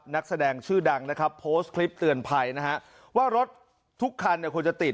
นักแสดงชื่อดังนะครับโพสต์คลิปเตือนภัยนะฮะว่ารถทุกคันเนี่ยควรจะติด